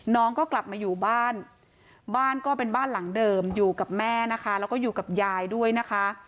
น้องก็กลับมาอยู่บ้านบ้านก็เป็นบ้านหลังเดิมอยู่กับแม่นะคะแล้วก็อยู่กับยายด้วยนะคะ